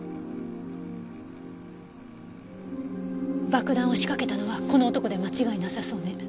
爆弾を仕掛けたのはこの男で間違いなさそうね。